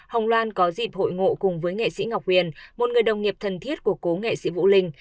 hồng loan có dịp hội ngộ cùng với nghệ sĩ ngọc huyền một người đồng nghiệp thân thiết của cố nghệ sĩ vũ linh